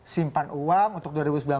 simpan uang untuk dua ribu sembilan belas